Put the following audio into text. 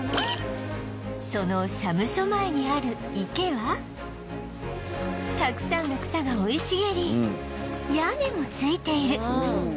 その社務所前にある池はたくさんの草が生い茂り屋根も付いている